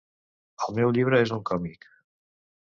El meu llibre és un còmic.